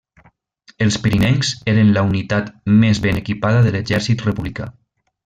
Els pirinencs eren la unitat més ben equipada de l'exèrcit republicà.